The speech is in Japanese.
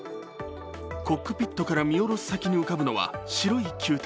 コックピットから見下ろす先に浮かぶのは白い球体。